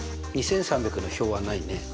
２３００の表はないね。